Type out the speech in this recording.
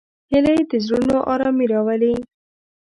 هیلۍ د زړونو آرامي راولي